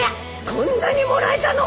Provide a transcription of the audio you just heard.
こんなにもらえたの！？